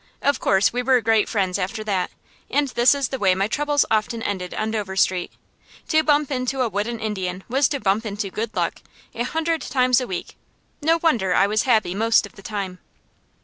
Of course we were great friends after that, and this is the way my troubles often ended on Dover Street. To bump into a wooden Indian was to bump into good luck, a hundred times a week. No wonder I was happy most of the time.